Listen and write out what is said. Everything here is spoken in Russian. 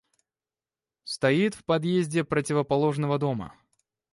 Стоит в подъезде противоположного дома.